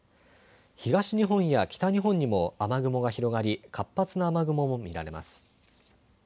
東日本や北日本にも雨雲が広がり活発な雨雲も見られます。